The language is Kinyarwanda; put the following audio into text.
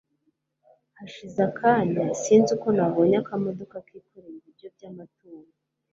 hashize akanya sinzi uko nabonye akamodoka kikoreye ibiryo byamatungo